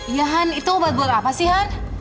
ya han itu obat buat apa sih han